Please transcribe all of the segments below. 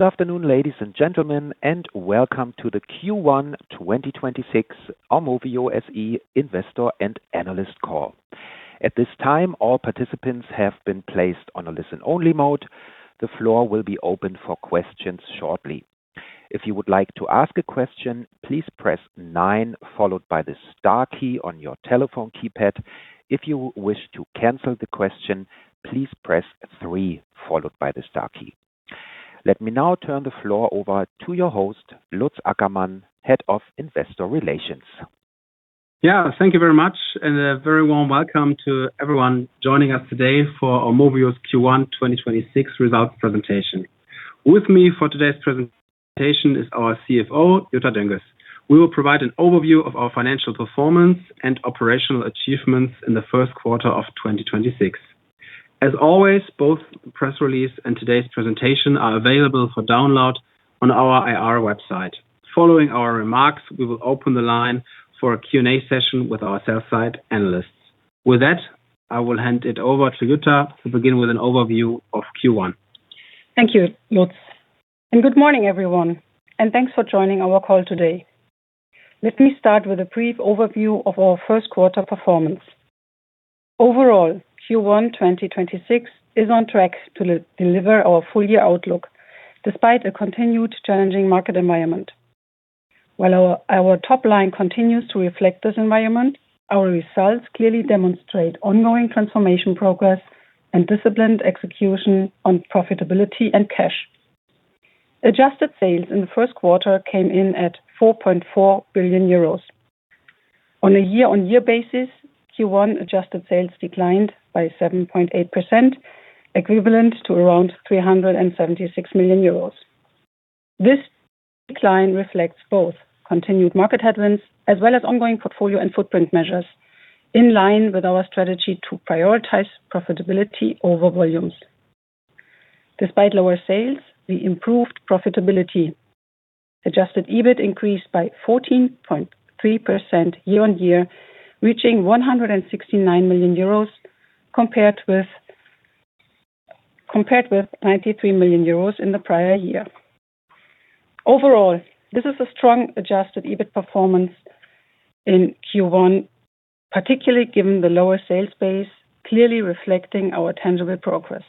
Good afternoon, ladies and gentlemen, and welcome to the Q1 2026 AUMOVIO SE investor and analyst call. At this time, all participants have been placed on a listen-only mode. The floor will be open for questions shortly. If you would like to ask a question, please press nine followed by the star key on your telephone keypad. If you wish to cancel the question, please press three followed by the star key. Let me now turn the floor over to your host, Lutz Ackermann, Head of Investor Relations. Yeah. Thank you very much, and a very warm welcome to everyone joining us today for AUMOVIO's Q1 2026 results presentation. With me for today's presentation is our CFO, Jutta Dönges. We will provide an overview of our financial performance and operational achievements in the first quarter of 2026. As always, both press release and today's presentation are available for download on our IR website. Following our remarks, we will open the line for a Q&A session with our sell side analysts. With that, I will hand it over to Jutta to begin with an overview of Q1. Thank you, Lutz. Good morning, everyone, and thanks for joining our call today. Let me start with a brief overview of our first quarter performance. Overall, Q1 2026 is on track to deliver our full year outlook despite a continued challenging market environment. While our top line continues to reflect this environment, our results clearly demonstrate ongoing transformation progress and disciplined execution on profitability and cash. Adjusted sales in the first quarter came in at 4.4 billion euros. On a year-on-year basis, Q1 adjusted sales declined by 7.8%, equivalent to around 376 million euros. This decline reflects both continued market headwinds as well as ongoing portfolio and footprint measures in line with our strategy to prioritize profitability over volumes. Despite lower sales, we improved profitability. Adjusted EBIT increased by 14.3% year-on-year, reaching 169 million euros compared with 93 million euros in the prior year. Overall, this is a strong adjusted EBIT performance in Q1, particularly given the lower sales base, clearly reflecting our tangible progress.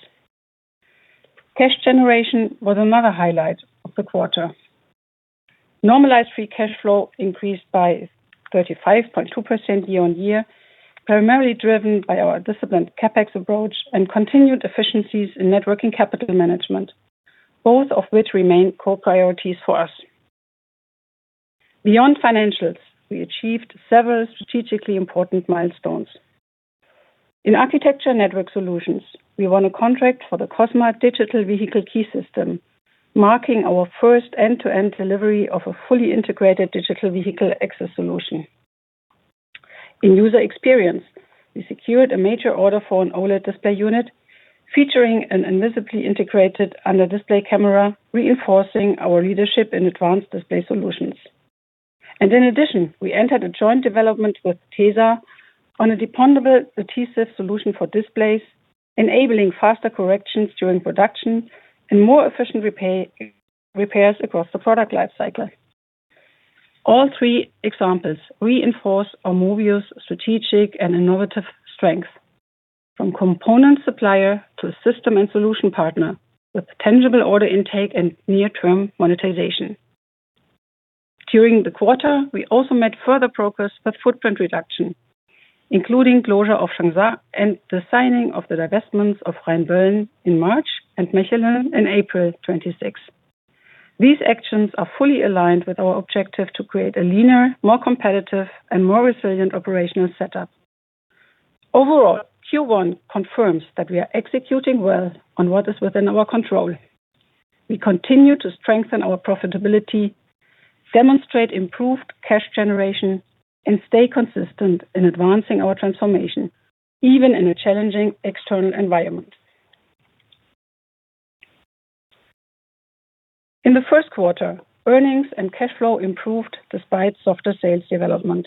Cash generation was another highlight of the quarter. Normalized free cash flow increased by 35.2% year-on-year, primarily driven by our disciplined CapEx approach and continued efficiencies in net working capital management, both of which remain core priorities for us. Beyond financials, we achieved several strategically important milestones. In Architecture and Network Solutions, we won a contract for the CoSmA Digital Vehicle Key System, marking our first end-to-end delivery of a fully integrated digital vehicle access solution. In User Experience, we secured a major order for an OLED display unit featuring an invisibly integrated under-display camera, reinforcing our leadership in advanced display solutions. In addition, we entered a joint development with tesa on a dependable adhesive solution for displays, enabling faster corrections during production and more efficient repairs across the product life cycle. All three examples reinforce AUMOVIO's strategic and innovative strength from component supplier to system and solution partner with tangible order intake and near-term monetization. During the quarter, we also made further progress with footprint reduction, including closure of Changsha and the signing of the divestments of Rheinböllen in March and Mechelen in April 2026. These actions are fully aligned with our objective to create a leaner, more competitive, and more resilient operational setup. Overall, Q1 confirms that we are executing well on what is within our control. We continue to strengthen our profitability, demonstrate improved cash generation, and stay consistent in advancing our transformation, even in a challenging external environment. In the first quarter, earnings and cash flow improved despite softer sales development.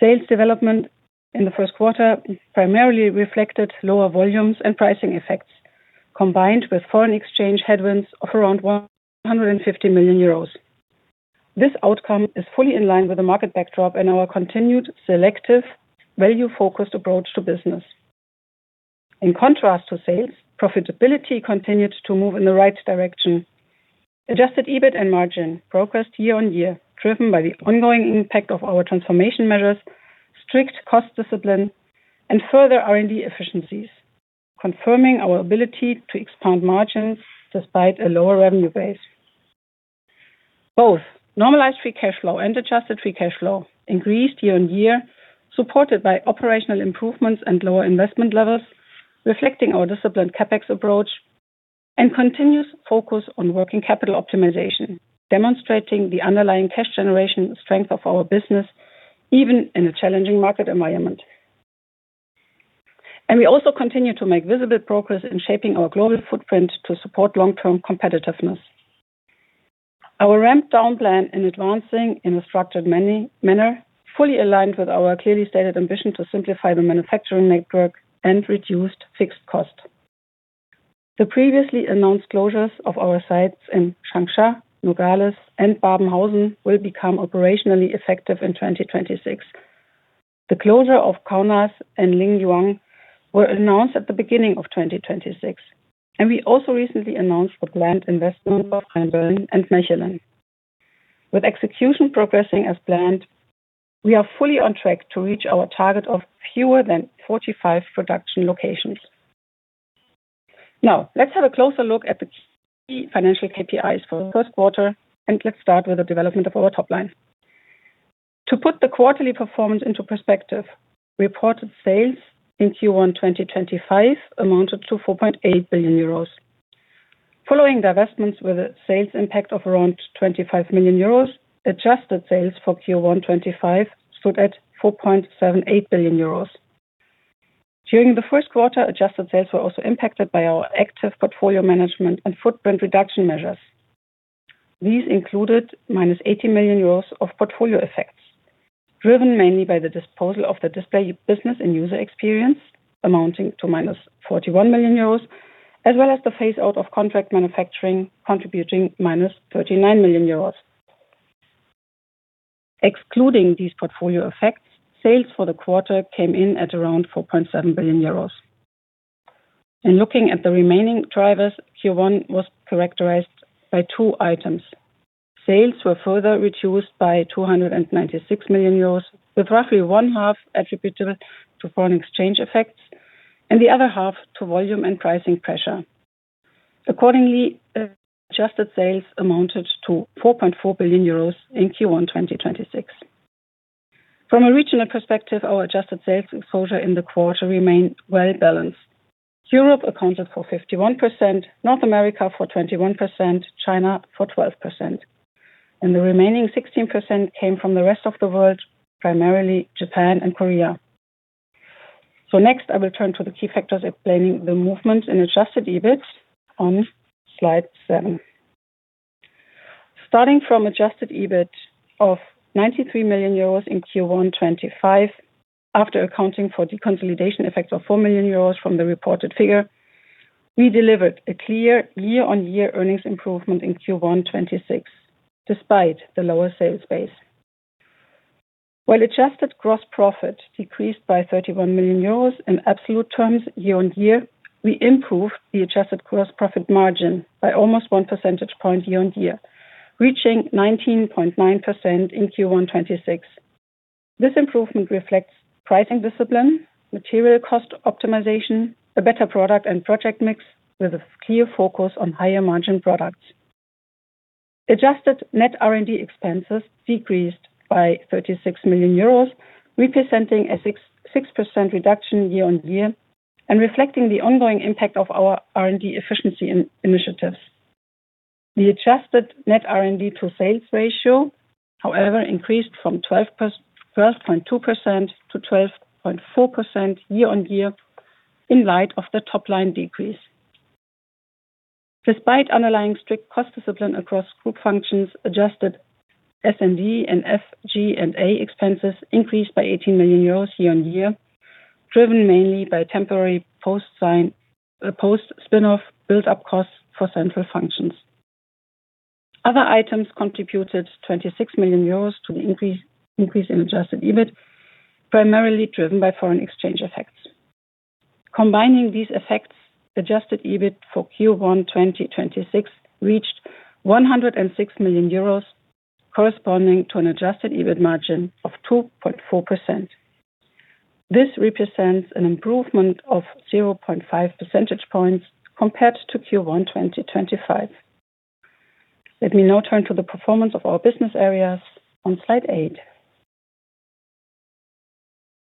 Sales development in the first quarter primarily reflected lower volumes and pricing effects, combined with foreign exchange headwinds of around 150 million euros. This outcome is fully in line with the market backdrop and our continued selective value-focused approach to business. In contrast to sales, profitability continued to move in the right direction. Adjusted EBIT and margin progressed year-on-year, driven by the ongoing impact of our transformation measures, strict cost discipline, and further R&D efficiencies, confirming our ability to expand margins despite a lower revenue base. Both normalized free cash flow and adjusted free cash flow increased year-on-year, supported by operational improvements and lower investment levels, reflecting our disciplined CapEx approach and continuous focus on working capital optimization, demonstrating the underlying cash generation strength of our business, even in a challenging market environment. We also continue to make visible progress in shaping our global footprint to support long-term competitiveness. Our ramp down plan in advancing in a structured manner fully aligned with our clearly stated ambition to simplify the manufacturing network and reduced fixed cost. The previously announced closures of our sites in Changsha, Nogales, and Babenhausen will become operationally effective in 2026. The closure of Kaunas and Lingyuan were announced at the beginning of 2026. We also recently announced the planned divestment of Rheinböllen and Mechelen. With execution progressing as planned, we are fully on track to reach our target of fewer than 45 production locations. Let's have a closer look at the key financial KPIs for the first quarter, let's start with the development of our top line. To put the quarterly performance into perspective, reported sales in Q1 2025 amounted to 4.8 billion euros. Following the divestments with a sales impact of around 25 million euros, adjusted sales for Q1 2025 stood at 4.78 billion euros. During the first quarter, adjusted sales were also impacted by our active portfolio management and footprint reduction measures. These included minus 80 million euros of portfolio effects, driven mainly by the disposal of the Display business and User Experience amounting to minus 41 million euros, as well as the phase out of contract manufacturing contributing minus 39 million euros. Excluding these portfolio effects, sales for the quarter came in at around 4.7 billion euros. In looking at the remaining drivers, Q1 was characterized by two items. Sales were further reduced by 296 million euros, with roughly one half attributable to foreign exchange effects and the other half to volume and pricing pressure. Accordingly, adjusted sales amounted to 4.4 billion euros in Q1 2026. From a regional perspective, our adjusted sales exposure in the quarter remained well-balanced. Europe accounted for 51%, North America for 21%, China for 12%, and the remaining 16% came from the rest of the world, primarily Japan and Korea. Next, I will turn to the key factors explaining the movement in adjusted EBIT on slide 7. Starting from adjusted EBIT of 93 million euros in Q1 2025, after accounting for deconsolidation effects of 4 million euros from the reported figure, we delivered a clear year-on-year earnings improvement in Q1 2026 despite the lower sales base. While adjusted gross profit decreased by 31 million euros in absolute terms year-on-year, we improved the adjusted gross profit margin by almost 1 percentage point year-on-year, reaching 19.9% in Q1 2026. This improvement reflects pricing discipline, material cost optimization, a better product and project mix with a clear focus on higher margin products. Adjusted net R&D expenses decreased by 36 million euros, representing a 6.6% reduction year-on-year and reflecting the ongoing impact of our R&D efficiency initiatives. The adjusted net R&D to sales ratio, however, increased from 12.2% to 12.4% year-on-year in light of the top line decrease. Despite underlying strict cost discipline across group functions, adjusted SG&A expenses increased by 18 million euros year-on-year, driven mainly by temporary post-spin-off build-up costs for central functions. Other items contributed 26 million euros to the increase in adjusted EBIT, primarily driven by foreign exchange effects. Combining these effects, adjusted EBIT for Q1 2026 reached 106 million euros, corresponding to an adjusted EBIT margin of 2.4%. This represents an improvement of 0.5 percentage points compared to Q1 2025. Let me now turn to the performance of our business areas on slide 8.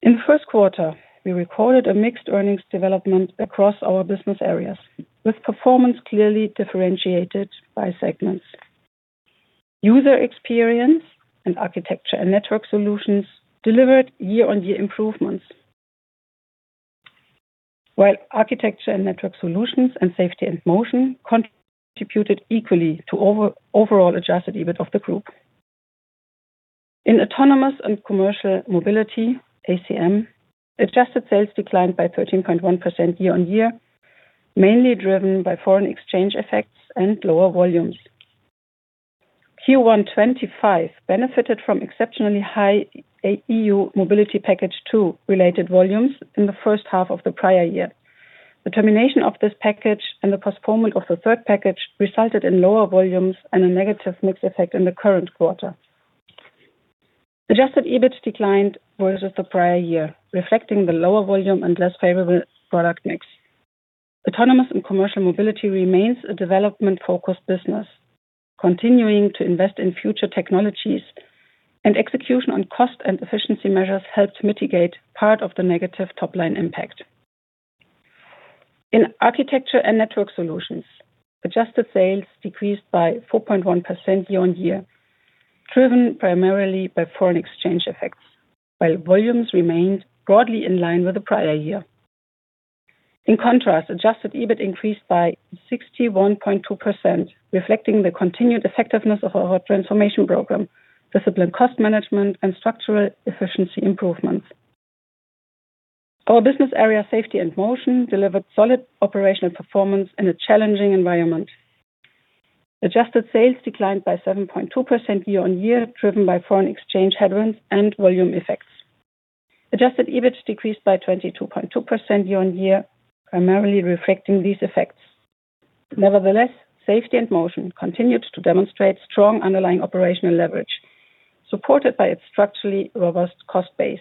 In the first quarter, we recorded a mixed earnings development across our business areas, with performance clearly differentiated by segments. User Experience and Architecture and Network Solutions delivered year-on-year improvements. While Architecture and Network Solutions and Safety and Motion contributed equally to overall adjusted EBIT of the group. In Autonomous and Commercial Mobility, ACM, adjusted sales declined by 13.1% year-on-year, mainly driven by foreign exchange effects and lower volumes. Q1 2025 benefited from exceptionally high EU Mobility Package 2 related volumes in the first half of the prior year. The termination of this package and the postponement of the third package resulted in lower volumes and a negative mix effect in the current quarter. Adjusted EBIT declined versus the prior year, reflecting the lower volume and less favorable product mix. Autonomous and Commercial Mobility remains a development-focused business, continuing to invest in future technologies and execution on cost and efficiency measures helped mitigate part of the negative top-line impact. In Architecture and Network Solutions, adjusted sales decreased by 4.1% year-on-year, driven primarily by foreign exchange effects, while volumes remained broadly in line with the prior year. In contrast, adjusted EBIT increased by 61.2%, reflecting the continued effectiveness of our transformation program, disciplined cost management, and structural efficiency improvements. Our business area Safety and Motion delivered solid operational performance in a challenging environment. Adjusted sales declined by 7.2% year-on-year, driven by foreign exchange headwinds and volume effects. adjusted EBIT decreased by 22.2% year-on-year, primarily reflecting these effects. Nevertheless, Safety & Motion continued to demonstrate strong underlying operational leverage, supported by its structurally robust cost base.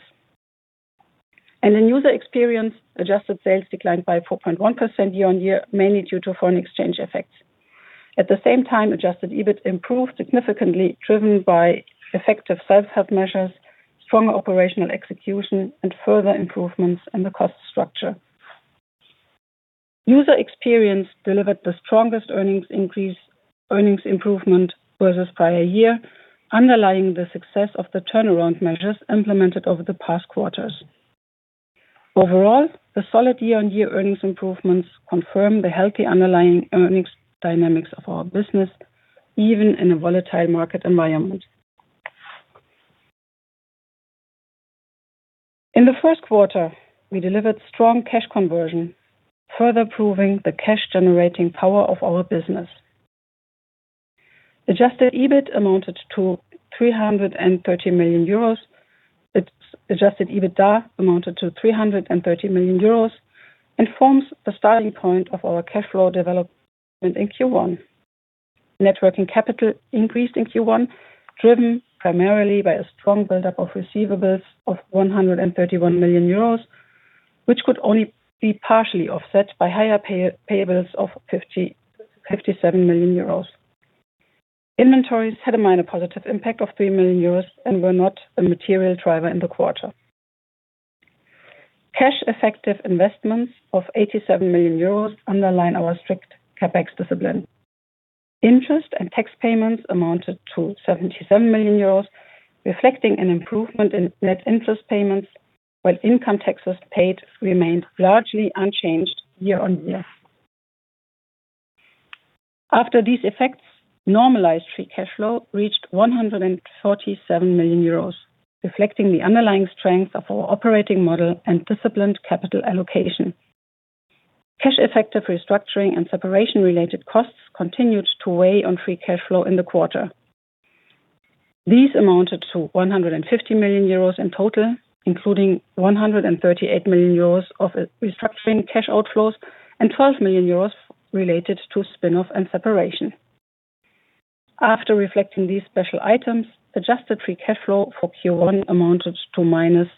In User Experience, adjusted sales declined by 4.1% year-on-year, mainly due to foreign exchange effects. At the same time, adjusted EBIT improved significantly, driven by effective self-help measures, stronger operational execution, and further improvements in the cost structure. User Experience delivered the strongest earnings increase, earnings improvement versus prior year, underlying the success of the turnaround measures implemented over the past quarters. Overall, the solid year-on-year earnings improvements confirm the healthy underlying earnings dynamics of our business, even in a volatile market environment. In the first quarter, we delivered strong cash conversion, further proving the cash generating power of our business. Adjusted EBIT amounted to 330 million euros. Its adjusted EBITDA amounted to 330 million euros and forms the starting point of our cash flow development in Q1. Net working capital increased in Q1, driven primarily by a strong buildup of receivables of 131 million euros, which could only be partially offset by higher payables of 57 million euros. Inventories had a minor positive impact of 3 million euros and were not a material driver in the quarter. Cash effective investments of 87 million euros underline our strict CapEx discipline. Interest and tax payments amounted to 77 million euros, reflecting an improvement in net interest payments, while income taxes paid remained largely unchanged year-on-year. After these effects, normalized free cash flow reached 147 million euros, reflecting the underlying strength of our operating model and disciplined capital allocation. Cash effective restructuring and separation related costs continued to weigh on free cash flow in the quarter. These amounted to 150 million euros in total, including 138 million euros of restructuring cash outflows and 12 million euros related to spin-off and separation. After reflecting these special items, adjusted free cash flow for Q1 amounted to minus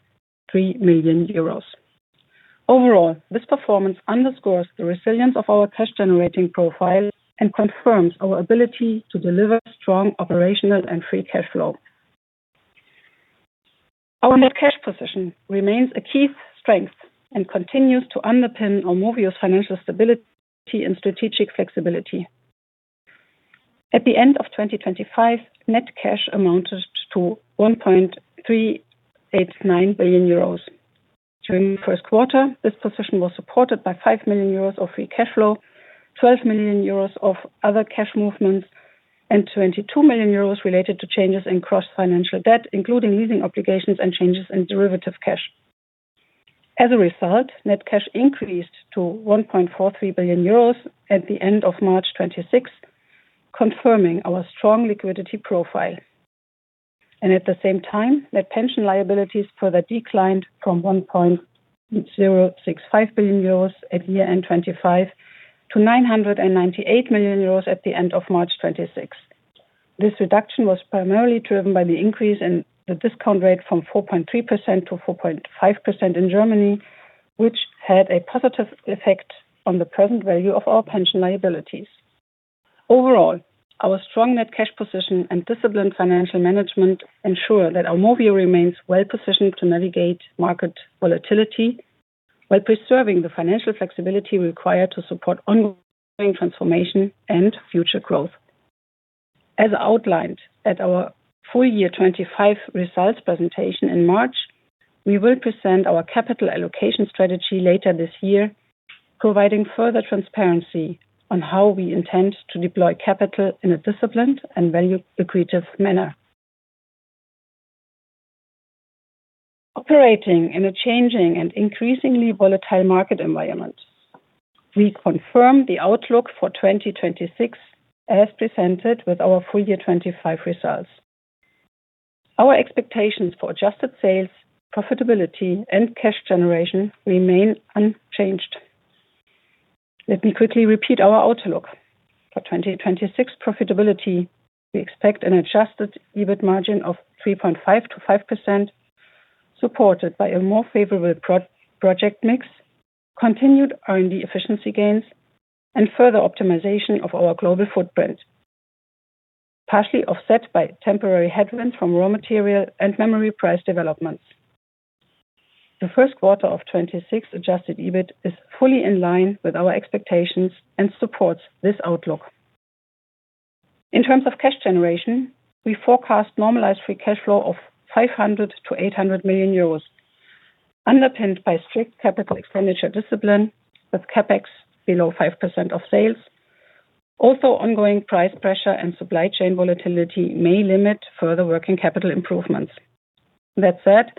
3 million euros. Overall, this performance underscores the resilience of our cash generating profile and confirms our ability to deliver strong operational and free cash flow. Our net cash position remains a key strength and continues to underpin AUMOVIO's financial stability and strategic flexibility. At the end of 2025, net cash amounted to 1.389 billion euros. During the first quarter, this position was supported by 5 million euros of free cash flow, 12 million euros of other cash movements, and 22 million euros related to changes in gross financial debt, including leasing obligations and changes in derivative cash. As a result, net cash increased to 1.43 billion euros at the end of March 2026, confirming our strong liquidity profile. At the same time, net pension liabilities further declined from 1.065 billion euros at year-end 2025 to 998 million euros at the end of March 2026. This reduction was primarily driven by the increase in the discount rate from 4.3% to 4.5% in Germany, which had a positive effect on the present value of our pension liabilities. Overall, our strong net cash position and disciplined financial management ensure that AUMOVIO remains well-positioned to navigate market volatility while preserving the financial flexibility required to support ongoing transformation and future growth. As outlined at our full year 2025 results presentation in March, we will present our capital allocation strategy later this year, providing further transparency on how we intend to deploy capital in a disciplined and value accretive manner. Operating in a changing and increasingly volatile market environment, we confirm the outlook for 2026 as presented with our full year 2025 results. Our expectations for adjusted sales, profitability and cash generation remain unchanged. Let me quickly repeat our outlook. For 2026 profitability, we expect an adjusted EBIT margin of 3.5%-5%, supported by a more favorable project mix, continued R&D efficiency gains, and further optimization of our global footprint, partially offset by temporary headwinds from raw material and memory price developments. The first quarter of 2026 adjusted EBIT is fully in line with our expectations and supports this outlook. In terms of cash generation, we forecast normalized free cash flow of 500 million-800 million euros. Underpinned by strict capital expenditure discipline, with CapEx below 5% of sales. Ongoing price pressure and supply chain volatility may limit further working capital improvements. That said,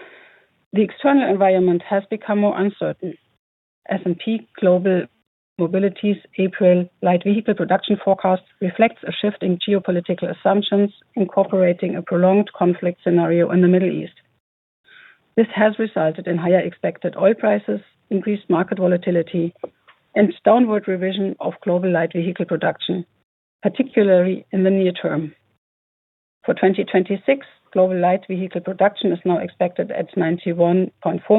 the external environment has become more uncertain. S&P Global Mobility's April light vehicle production forecast reflects a shift in geopolitical assumptions, incorporating a prolonged conflict scenario in the Middle East. This has resulted in higher expected oil prices, increased market volatility, and downward revision of global light vehicle production, particularly in the near term. For 2026, global light vehicle production is now expected at 91.4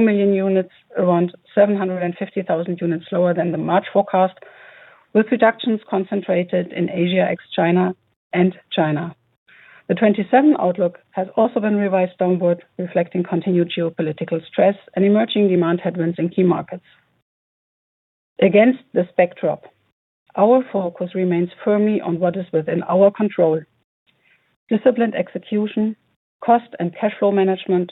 million units, around 750,000 units lower than the March forecast, with reductions concentrated in Asia ex China and China. The 2027 outlook has also been revised downward, reflecting continued geopolitical stress and emerging demand headwinds in key markets. Against this backdrop, our focus remains firmly on what is within our control. Disciplined execution, cost and cash flow management,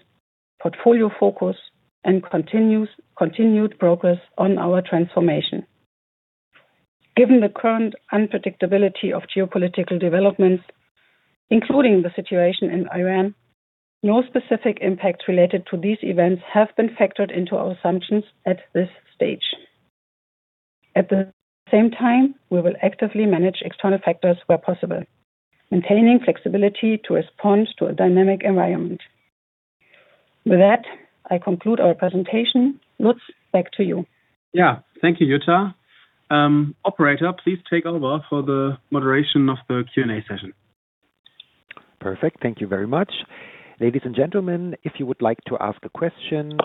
portfolio focus, and continued progress on our transformation. Given the current unpredictability of geopolitical developments, including the situation in Iran, no specific impacts related to these events have been factored into our assumptions at this stage. At the same time, we will actively manage external factors where possible, maintaining flexibility to respond to a dynamic environment. With that, I conclude our presentation. Lutz, back to you. Yeah. Thank you, Jutta. Operator, please take over for the moderation of the Q&A session. Perfect. Thank you very much. Ladies and gentlemen, if you would like to ask a question,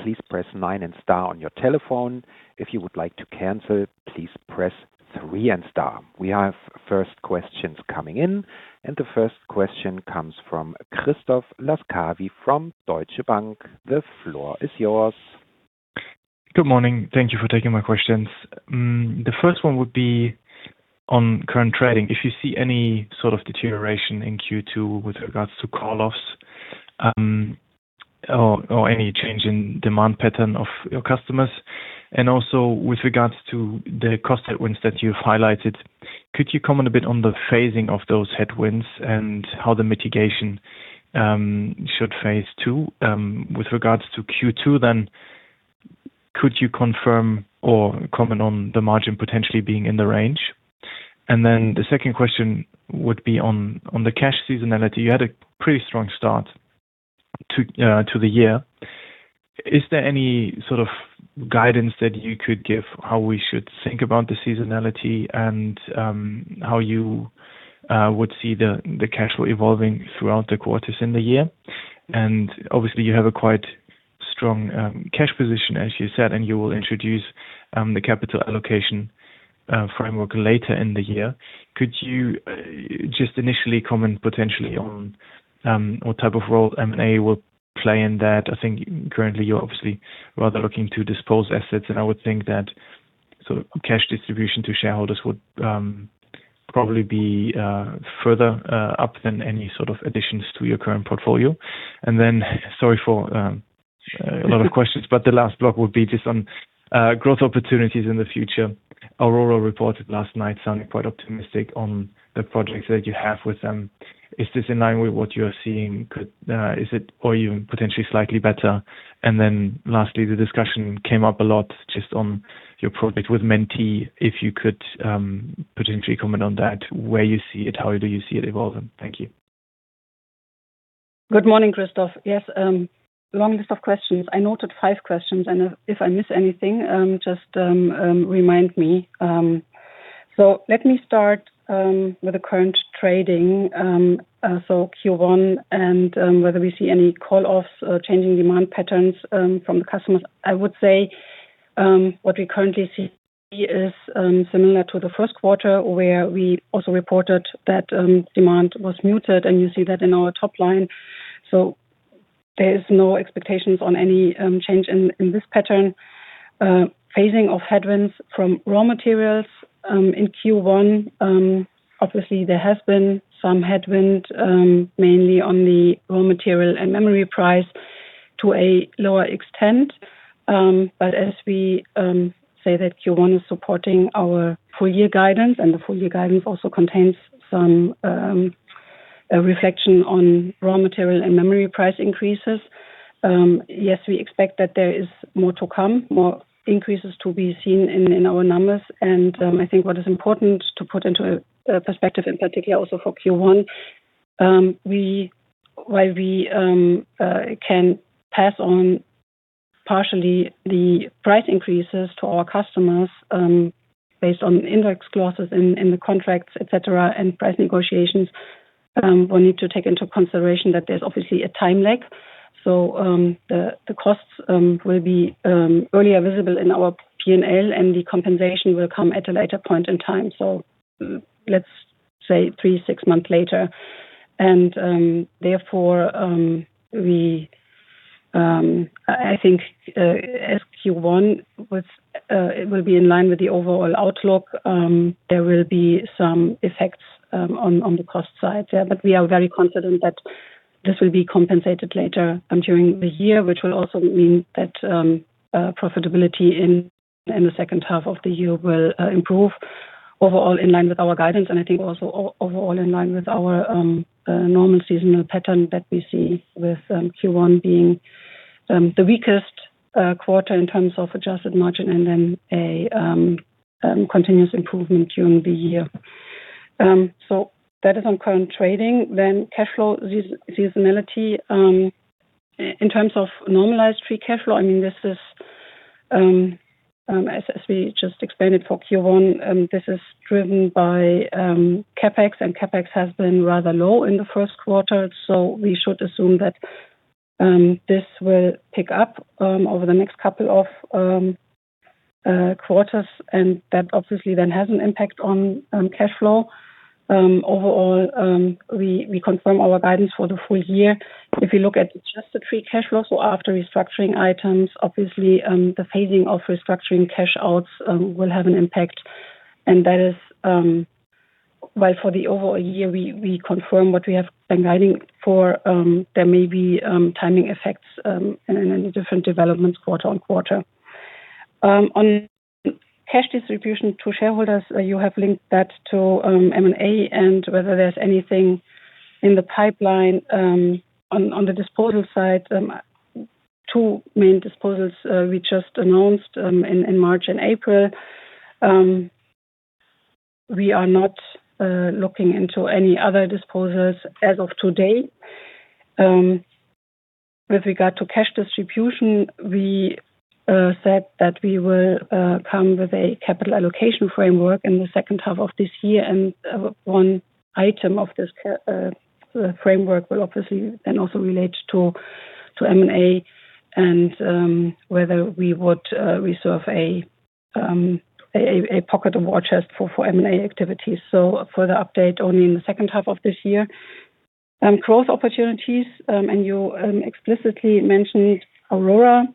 please press nine and star on your telephone, if you would like to cancel it, please press three and star. We have first questions coming in. The first question comes from Christoph Laskawi from Deutsche Bank. The floor is yours. Good morning. Thank you for taking my questions. The first one would be on current trading. If you see any sort of deterioration in Q2 with regards to call-offs, or any change in demand pattern of your customers. Also with regards to the cost headwinds that you've highlighted, could you comment a bit on the phasing of those headwinds and how the mitigation should phase 2? With regards to Q2, could you confirm or comment on the margin potentially being in the range? The second question would be on the cash seasonality. You had a pretty strong start to the year. Is there any sort of guidance that you could give how we should think about the seasonality and how you would see the cash flow evolving throughout the quarters in the year? Obviously, you have a quite strong cash position, as you said, and you will introduce the capital allocation framework later in the year. Could you just initially comment potentially on what type of role M&A will play in that? I think currently you're obviously rather looking to dispose assets, and I would think that sort of cash distribution to shareholders would probably be further up than any sort of additions to your current portfolio. Sorry for a lot of questions, but the last block would be just on growth opportunities in the future. Aurora reported last night sounding quite optimistic on the projects that you have with them. Is this in line with what you're seeing? Is it or even potentially slightly better? Lastly, the discussion came up a lot just on your project with Mentee. If you could, potentially comment on that, where you see it, how do you see it evolving? Thank you. Good morning, Christoph Laskawi. Yes, long list of questions. I noted five questions, and if I miss anything, just remind me. Let me start with the current trading, Q1 and whether we see any call-offs or changing demand patterns from the customers. I would say, what we currently see is similar to the first quarter, where we also reported that demand was muted, and you see that in our top line. There is no expectations on any change in this pattern. Phasing of headwinds from raw materials in Q1, obviously there has been some headwind mainly on the raw material and memory price to a lower extent. As we say that Q1 is supporting our full year guidance, and the full year guidance also contains some reflection on raw material and memory price increases. We expect that there is more to come, more increases to be seen in our numbers. I think what is important to put into perspective, in particular also for Q1, we, while we can pass on partially the price increases to our customers, based on index clauses in the contracts, et cetera, and price negotiations, we need to take into consideration that there's obviously a time lag. The costs will be only visible in our P&L, and the compensation will come at a later point in time. Let's say three, six months later. Therefore, as Q1 was, it will be in line with the overall outlook. There will be some effects on the cost side. Yeah. We are very confident that this will be compensated later during the year, which will also mean that profitability in the second half of the year will improve overall in line with our guidance. I think also overall in line with our normal seasonal pattern that we see with Q1 being the weakest quarter in terms of adjusted margin and then a continuous improvement during the year. That is on current trading. Cash flow seasonality, in terms of normalized free cash flow, I mean, this is as we just explained it for Q1, this is driven by CapEx, and CapEx has been rather low in the first quarter, so we should assume that this will pick up over the next couple of quarters, and that obviously then has an impact on cash flow. Overall, we confirm our guidance for the full year. If you look at just the free cash flow, so after restructuring items, obviously, the phasing of restructuring cash outs will have an impact. That is while for the overall year we confirm what we have been guiding for, there may be timing effects and any different developments quarter on quarter. On cash distribution to shareholders, you have linked that to M&A and whether there's anything in the pipeline on the disposal side. Two main disposals, we just announced in March and April. We are not looking into any other disposals as of today. With regard to cash distribution, we said that we will come with a capital allocation framework in the second half of this year, and one item of this framework will obviously then also relate to M&A and whether we would reserve a pocket of war chest for M&A activities. Further update only in the second half of this year. Growth opportunities, you explicitly mentioned Aurora.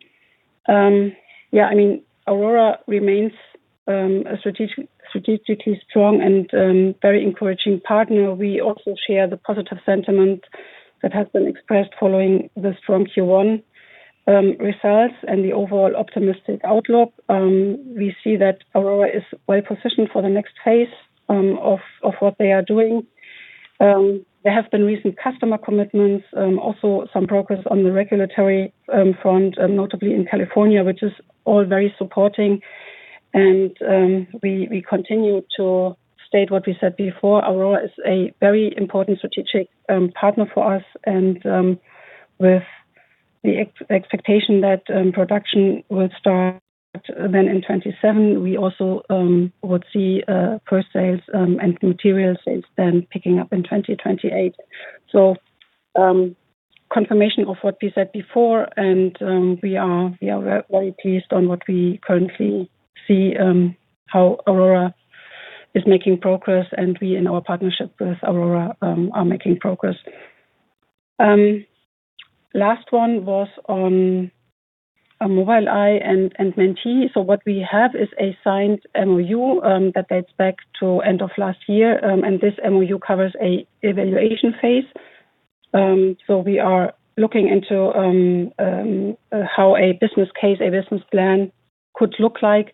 Yeah, I mean, Aurora remains a strategic, strategically strong and very encouraging partner. We also share the positive sentiment that has been expressed following the strong Q1 results and the overall optimistic outlook. We see that Aurora is well-positioned for the next phase of what they are doing. There have been recent customer commitments, also some progress on the regulatory front, notably in California, which is all very supporting. We continue to state what we said before. Aurora is a very important strategic partner for us and with the expectation that production will start then in 2027, we also would see first sales and material sales then picking up in 2028. Confirmation of what we said before and we are very pleased on what we currently see, how Aurora is making progress and we, in our partnership with Aurora, are making progress. Last one was on Mobileye and Mentee. What we have is a signed MOU that dates back to end of last year. This MOU covers a evaluation phase. We are looking into how a business case, a business plan could look like.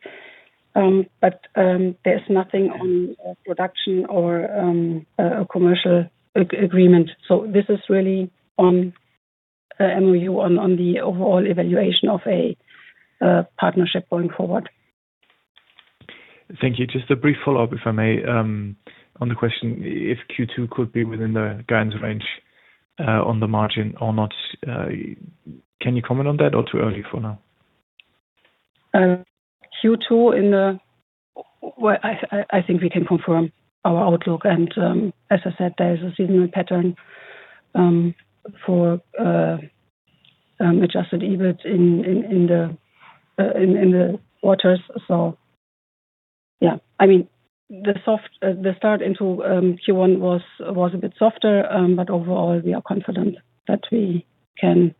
There's nothing on production or a commercial agreement. This is really on MOU on the overall evaluation of a partnership going forward. Thank you. Just a brief follow-up, if I may, on the question if Q2 could be within the guidance range, on the margin or not. Can you comment on that or too early for now? Q2 in the Well, I think we can confirm our outlook and, as I said, there's a seasonal pattern for adjusted EBIT in the quarters. Yeah. I mean, the start into Q1 was a bit softer, but overall, we are confident that we can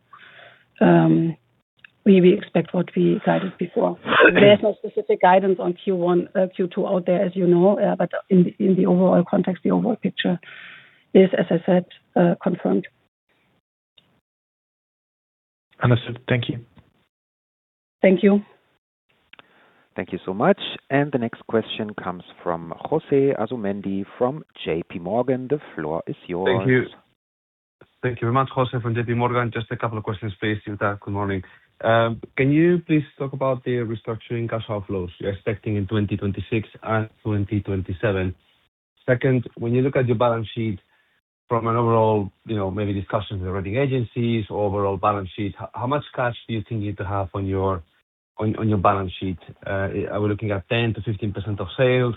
we expect what we guided before. Okay. There's no specific guidance on Q1, Q2 out there, as you know, but in the overall context, the overall picture is, as I said, confirmed. Understood. Thank you. Thank you. Thank you so much. The next question comes from José Asumendi from JPMorgan. The floor is yours. Thank you. Thank you very much. José from JPMorgan. Just a couple of questions for you, Jutta. Good morning. Can you please talk about the restructuring cash outflows you're expecting in 2026 and 2027? Second, when you look at your balance sheet from an overall, you know, maybe discussions with the rating agencies, overall balance sheet, how much cash do you think you need to have on your balance sheet? Are we looking at 10%-15% of sales?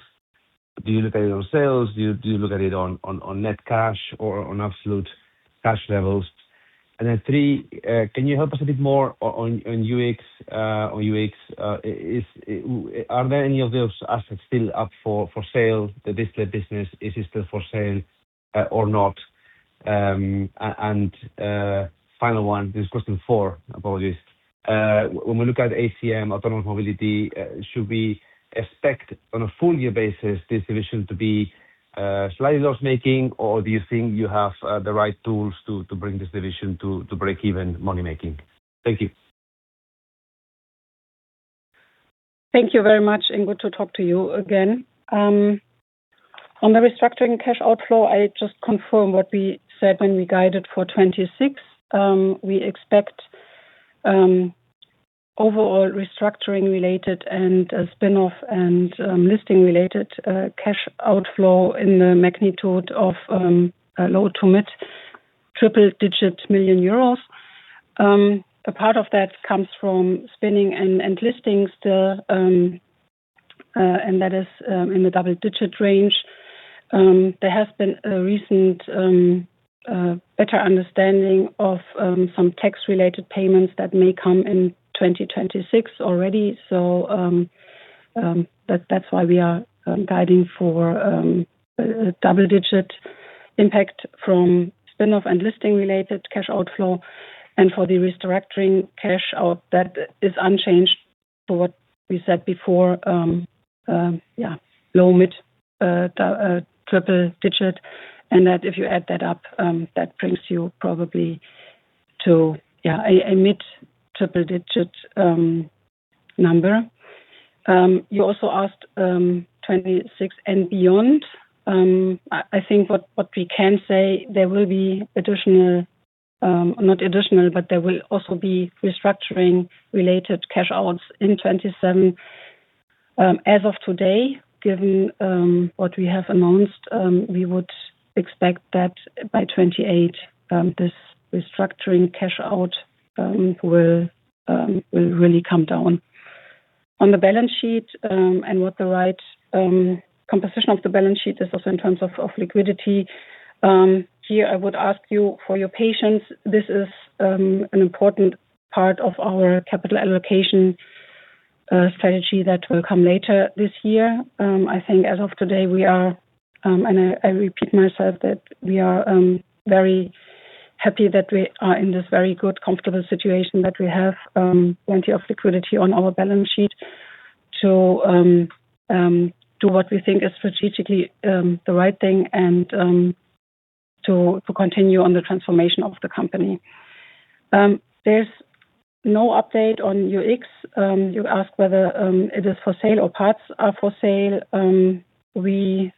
Do you look at it on sales? Do you look at it on net cash or on absolute cash levels? Then three, can you help us a bit more on UX, or UX? Are there any of those assets still up for sale? The display business, is it still for sale? or not. final one, this is question four. Apologies. When we look at ACM, autonomous mobility, should we expect on a full year basis this division to be slightly loss-making, or do you think you have the right tools to bring this division to break even money-making? Thank you. Thank you very much, and good to talk to you again. On the restructuring cash outflow, I just confirm what we said when we guided for 2026. We expect overall restructuring related and a spin-off and listing related cash outflow in the magnitude of low to mid triple-digit million EUR. A part of that comes from spinning and listings, and that is in the double-digit range. There has been a recent better understanding of some tax related payments that may come in 2026 already. That's why we are guiding for a double-digit impact from spin-off and listing related cash outflow. For the restructuring cash out, that is unchanged for what we said before. Yeah, low-mid triple-digit. If you add that up, that brings you probably to a mid triple-digit EUR number. You also asked 2026 and beyond. I think what we can say, there will be additional, not additional, but there will also be restructuring related cash outs in 2027. As of today, given what we have announced, we would expect that by 2028, this restructuring cash out will really come down. On the balance sheet, and what the right composition of the balance sheet is also in terms of liquidity. Here I would ask you for your patience. This is an important part of our capital allocation strategy that will come later this year. I think as of today, we are, and I repeat myself that we are very happy that we are in this very good, comfortable situation that we have plenty of liquidity on our balance sheet to do what we think is strategically the right thing and to continue on the transformation of the company. There's no update on UX. You ask whether it is for sale or parts are for sale. We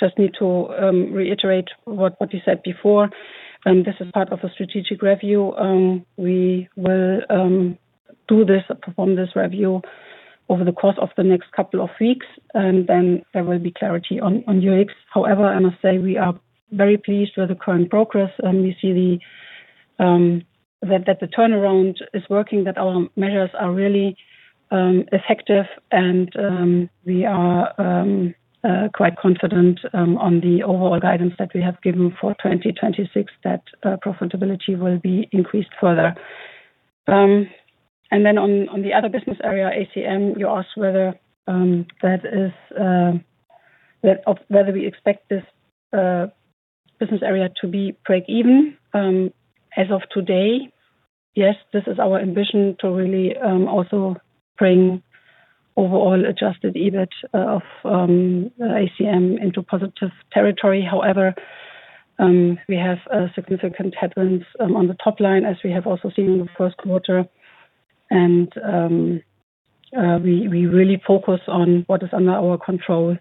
just need to reiterate what you said before, and this is part of a strategic review. We will do this, perform this review over the course of the next couple of weeks, and then there will be clarity on UX. However, I must say we are very pleased with the current progress. We see that the turnaround is working, that our measures are really effective. We are quite confident on the overall guidance that we have given for 2026 that profitability will be increased further. Then on the other business area, ACM, you asked whether we expect this business area to be break even. As of today, yes, this is our ambition to really also bring overall adjusted EBIT of ACM into positive territory. However, we have significant headwinds on the top line as we have also seen in the first quarter. We really focus on what is under our control,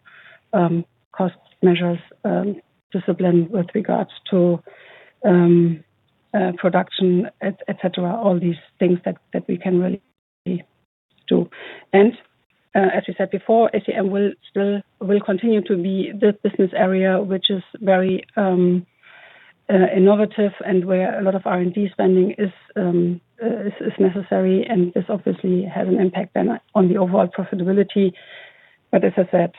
cost measures, discipline with regards to production, et cetera, all these things that we can really do. As you said before, ACM will continue to be the business area which is very innovative and where a lot of R&D spending is necessary. This obviously has an impact then on the overall profitability. As I said,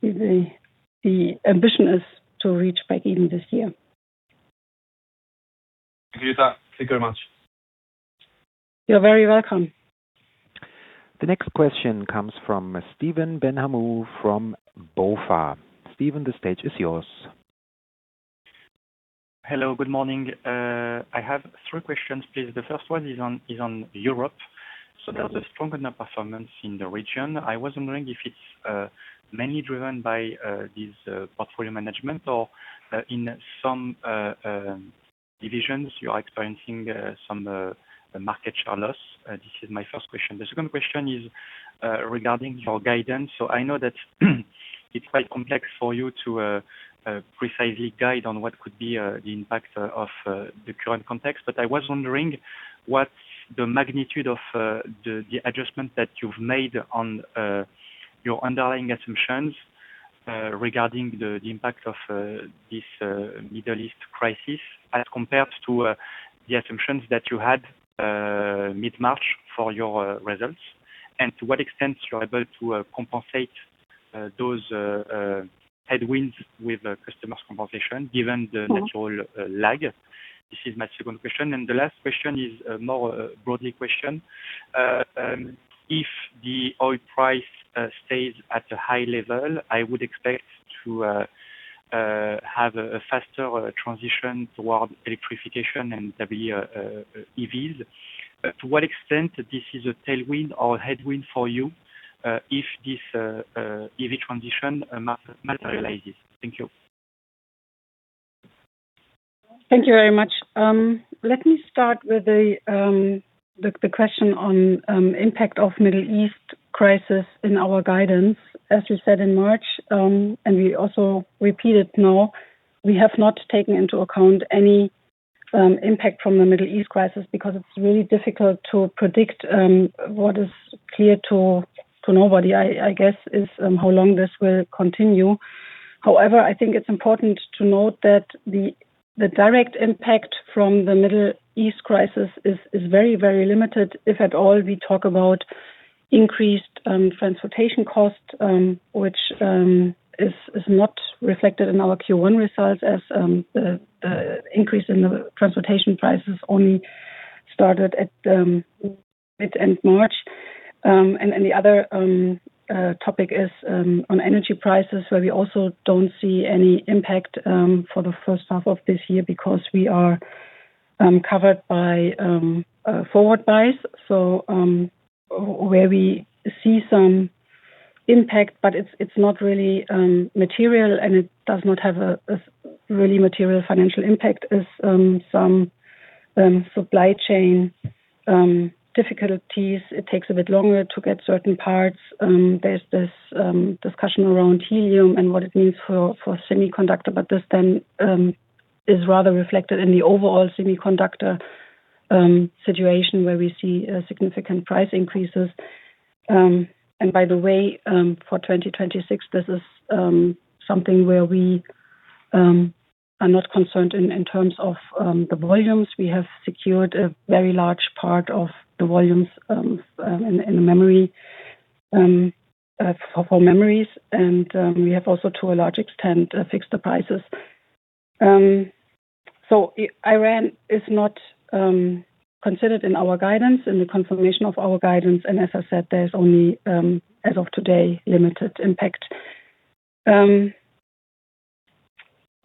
the ambition is to reach break even this year. Thank you for that. Thank you very much. You're very welcome. The next question comes from Stephen Benhamou from BofA. Stephen, the stage is yours. Hello, good morning. I have three questions, please. The first one is on Europe. There's a stronger performance in the region. I was wondering if it's mainly driven by this portfolio management or in some divisions you are experiencing some market share loss. This is my first question. The second question is regarding your guidance. I know that it's quite complex for you to precisely guide on what could be the impact of the current context. I was wondering what the magnitude of the adjustment that you've made on your underlying assumptions regarding the impact of this Middle East crisis as compared to the assumptions that you had mid-March for your results. To what extent you're able to compensate those headwinds with customers compensation given the natural lag. This is my second question. The last question is a more broader question. If the oil price stays at a high level, I would expect to have a faster transition toward electrification and there'll be EVs. To what extent this is a tailwind or headwind for you if this EV transition materializes. Thank you. Thank you very much. Let me start with the question on impact of Middle East crisis in our guidance. As we said in March, and we also repeat it now, we have not taken into account any impact from the Middle East crisis because it's really difficult to predict what is clear to nobody, I guess, is how long this will continue. However, I think it's important to note that the direct impact from the Middle East crisis is very, very limited. If at all, we talk about increased transportation costs, which is not reflected in our Q1 results as the increase in the transportation prices only started at mid-end March. The other topic is on energy prices, where we also don't see any impact for the first half of this year because we are covered by forward buys. Where we see some impact, but it's not really material, and it does not have a really material financial impact is some supply chain difficulties. It takes a bit longer to get certain parts. There's this discussion around helium and what it means for semiconductor, but this then is rather reflected in the overall semiconductor situation where we see significant price increases. By the way, for 2026, this is something where we are not concerned in terms of the volumes. We have secured a very large part of the volumes in memory for memories. We have also to a large extent fixed the prices. Iran is not considered in our guidance, in the confirmation of our guidance. As I said, there's only as of today limited impact.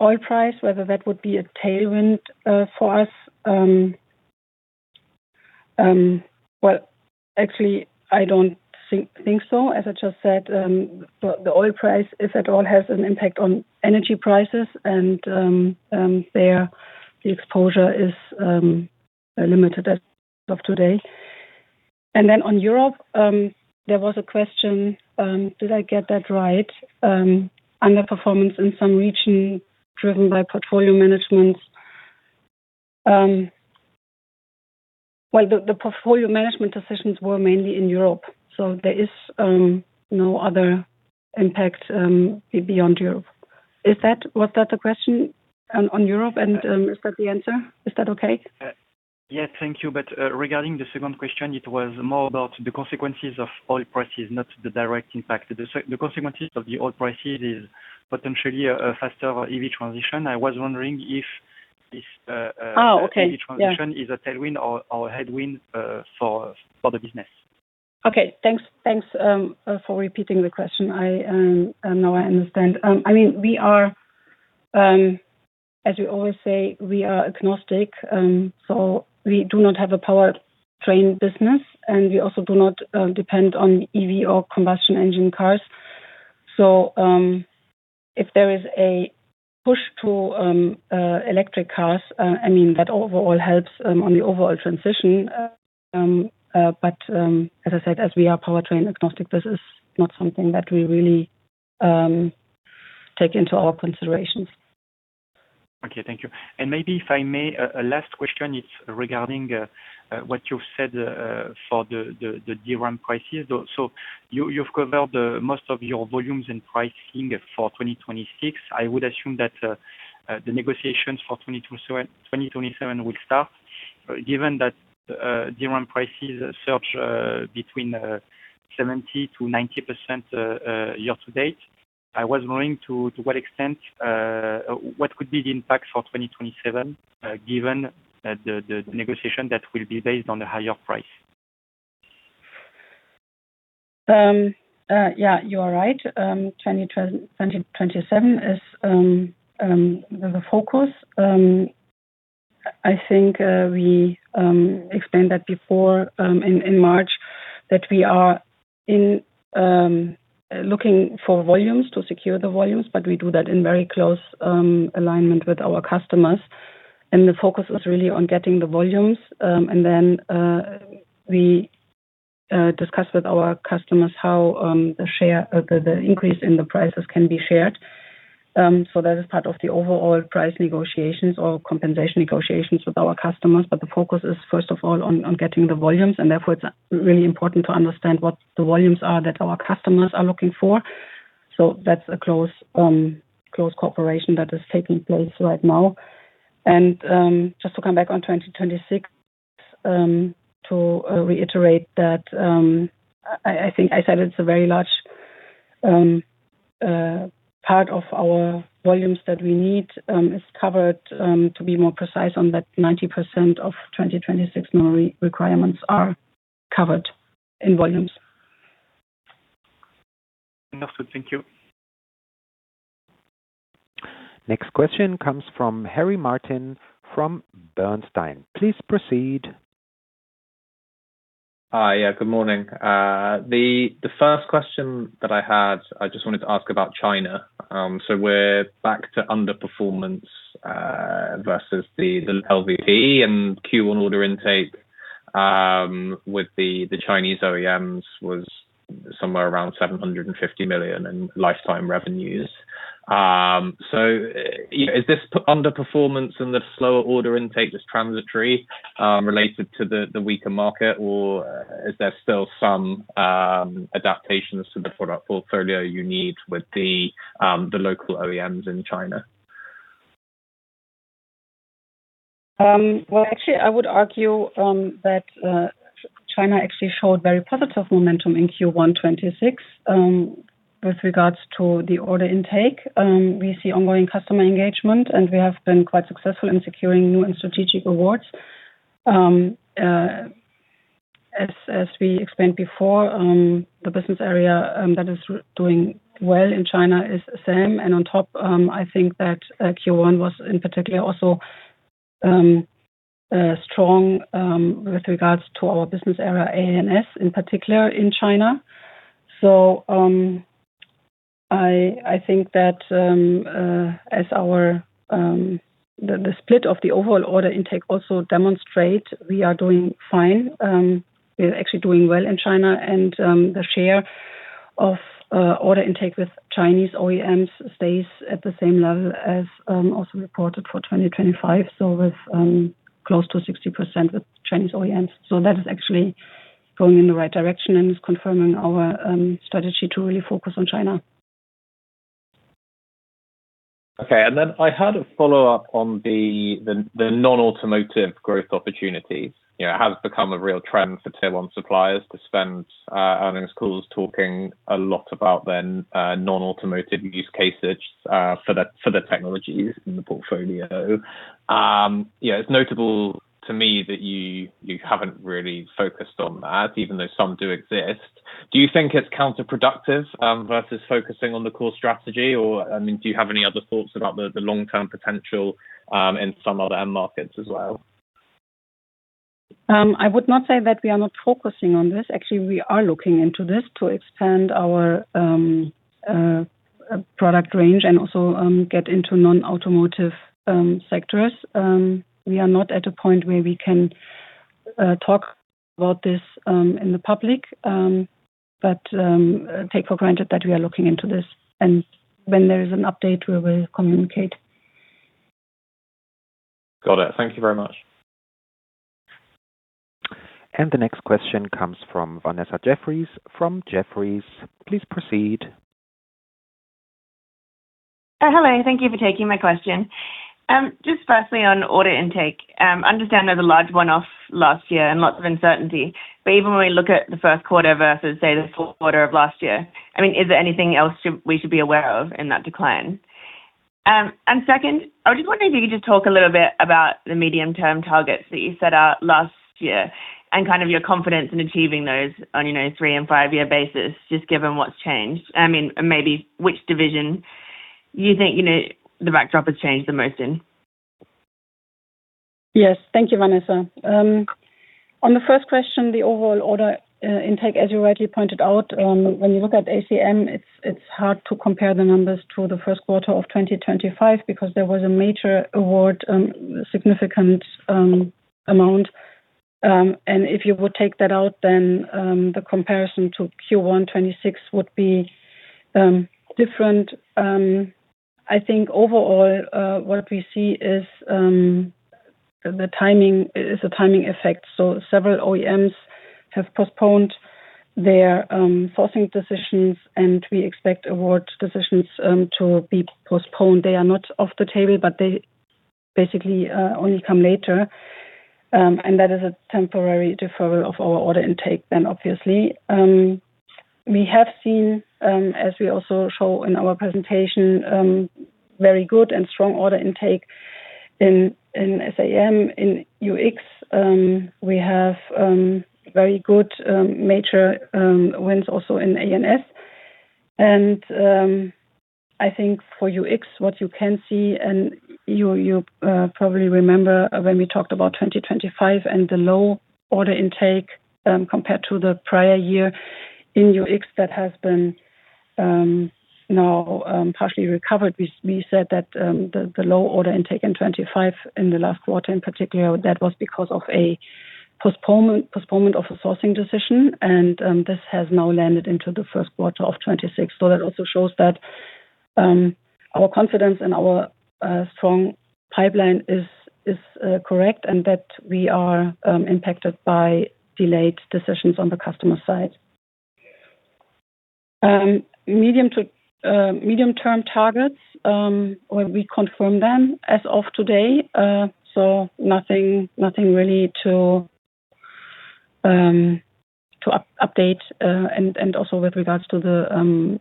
Oil price, whether that would be a tailwind for us. Well, actually, I don't think so. As I just said, the oil price, if at all, has an impact on energy prices and there the exposure is limited as of today. On Europe, there was a question, did I get that right? Under performance in some region driven by portfolio management. Well, the portfolio management decisions were mainly in Europe, so there is no other impact beyond Europe. Was that the question on Europe and is that the answer? Is that okay? Yes. Thank you. Regarding the second question, it was more about the consequences of oil prices, not the direct impact. The consequences of the oil prices is potentially a faster EV transition. I was wondering if. Oh, okay. Yeah. EV transition is a tailwind or headwind for the business. Okay. Thanks for repeating the question. I now understand. I mean, we are, as we always say, we are agnostic, so we do not have a powertrain business, and we also do not depend on EV or combustion engine cars. If there is a push to electric cars, I mean, that overall helps on the overall transition. But, as I said, as we are powertrain agnostic, this is not something that we really take into our considerations. Okay. Thank you. Maybe if I may, a last question, it's regarding what you've said for the DRAM prices. You've covered most of your volumes and pricing for 2026. I would assume that the negotiations for 2027 will start. Given that DRAM prices surge between 70%-90% year to date. I was wondering to what extent what could be the impact for 2027, given the negotiation that will be based on the higher price? Yeah, you are right. 2027 is the focus. I think we explained that before in March that we are in looking for volumes to secure the volumes, we do that in very close alignment with our customers. The focus is really on getting the volumes. We discuss with our customers how the increase in the prices can be shared. That is part of the overall price negotiations or compensation negotiations with our customers. The focus is first of all on getting the volumes, therefore it's really important to understand what the volumes are that our customers are looking for. That's a close close cooperation that is taking place right now. Just to come back on 2026, to reiterate that, I think I said it's a very large part of our volumes that we need, is covered, to be more precise on that 90% of 2026 delivery requirements are covered in volumes. Enough. Thank you. Next question comes from Harry Martin from Bernstein. Please proceed. Hi. Yeah, good morning. The first question that I had, I just wanted to ask about China. We're back to underperformance versus the LVP and Q1 order intake, with the Chinese OEMs was somewhere around 750 million in lifetime revenues. You know, is this underperformance and the slower order intake just transitory, related to the weaker market, or is there still some adaptations to the product portfolio you need with the local OEMs in China? Actually, I would argue that China actually showed very positive momentum in Q1 2026 with regards to the order intake. We see ongoing customer engagement, and we have been quite successful in securing new and strategic awards. As we explained before, the business area that is doing well in China is SAM. On top, I think that Q1 was in particular also strong with regards to our business area A&S, in particular in China. I think that as our the split of the overall order intake also demonstrate we are doing fine. We're actually doing well in China and the share of order intake with Chinese OEMs stays at the same level as also reported for 2025. With close to 60% with Chinese OEMs. That is actually going in the right direction and is confirming our strategy to really focus on China. Okay. I had a follow-up on the non-automotive growth opportunity. You know, it has become a real trend for Tier One suppliers to spend earnings calls talking a lot about non-automotive use cases for the technologies in the portfolio. You know, it's notable to me that you haven't really focused on that even though some do exist. Do you think it's counterproductive versus focusing on the core strategy? I mean, do you have any other thoughts about the long-term potential in some other end markets as well? I would not say that we are not focusing on this. Actually, we are looking into this to expand our product range and also get into non-automotive sectors. We are not at a point where we can talk about this in the public, but take for granted that we are looking into this, and when there is an update, we will communicate. Got it. Thank you very much. The next question comes from Vanessa Jeffriess from Jefferies. Please proceed. Hello. Thank you for taking my question. Just firstly, on order intake, understand there's a large one-off last year and lots of uncertainty, but even when we look at the first quarter versus, say, the fourth quarter of last year, I mean, is there anything else we should be aware of in that decline? Second, I was just wondering if you could just talk a little bit about the medium-term targets that you set out last year and kind of your confidence in achieving those on, you know, 3- and 5-year basis, just given what's changed. I mean, maybe which division you think, you know, the backdrop has changed the most in. Yes. Thank you, Vanessa. On the first question, the overall order intake, as you rightly pointed out, when you look at ACM, it's hard to compare the numbers to the first quarter of 2025 because there was a major award, significant amount. If you would take that out, the comparison to Q1 2026 would be different. I think overall, what we see is the timing is a timing effect. Several OEMs have postponed their sourcing decisions, and we expect award decisions to be postponed. They are not off the table, but they basically only come later. That is a temporary deferral of our order intake then, obviously. We have seen, as we also show in our presentation, very good and strong order intake in SAM, in UX. We have very good, major wins also in A&S. I think for UX, what you can see, and you probably remember when we talked about 2025 and the low order intake compared to the prior year in UX that has been now partially recovered. We said that the low order intake in 2025, in the last quarter in particular, that was because of a postponement of a sourcing decision, and this has now landed into the first quarter of 2026. That also shows that our confidence and our strong pipeline is correct and that we are impacted by delayed decisions on the customer side. Medium to medium-term targets, we confirm them as of today. Nothing really to update. Also with regards to the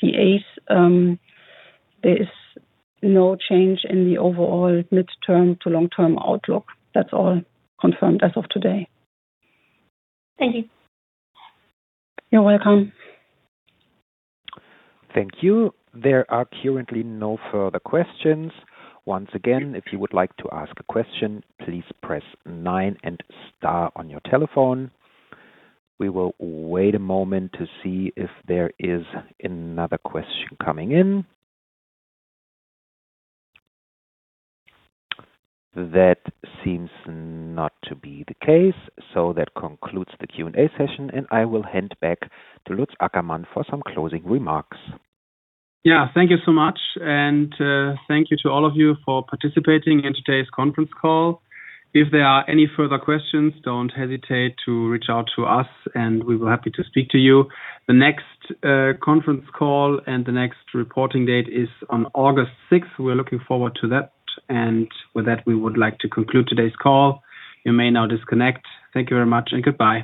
PAs, there is no change in the overall midterm to long-term outlook. That's all confirmed as of today. Thank you. You're welcome. Thank you. There are currently no further questions. Once again, if you would like to ask a question, please press nine and star on your telephone. We will wait a moment to see if there is another question coming in. That seems not to be the case, so that concludes the Q&A session, and I will hand back to Lutz Ackermann for some closing remarks. Yeah. Thank you so much. Thank you to all of you for participating in today's conference call. If there are any further questions, don't hesitate to reach out to us. We will be happy to speak to you. The next conference call and the next reporting date is on August 6th. We're looking forward to that. With that, we would like to conclude today's call. You may now disconnect. Thank you very much and goodbye.